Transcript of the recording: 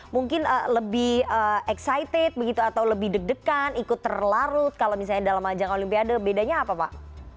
mungkin lebih excited begitu atau lebih deg degan ikut terlarut kalau misalnya dalam ajang olimpiade bedanya apa pak